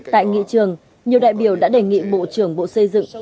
tại nghị trường nhiều đại biểu đã đề nghị bộ trưởng bộ xây dựng